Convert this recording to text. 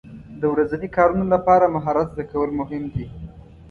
د ورځني کارونو لپاره مهارت زده کول مهم دي.